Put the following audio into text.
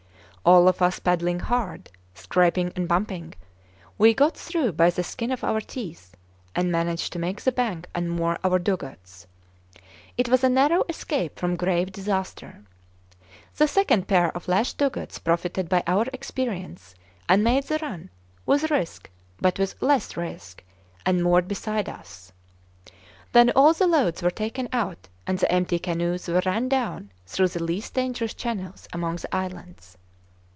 All of us paddling hard scraping and bumping we got through by the skin of our teeth, and managed to make the bank and moor our dugouts. It was a narrow escape from grave disaster. The second pair of lashed dugouts profited by our experience, and made the run with risk, but with less risk and moored beside us. Then all the loads were taken out, and the empty canoes were run down through the least dangerous channels among the islands.